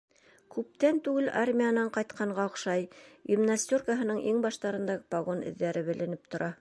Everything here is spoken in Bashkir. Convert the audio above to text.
Күптән түгел армиянан ҡайтҡанға оҡшай, гимнастеркаһының иңбаштарында погон эҙҙәре беленеп тора.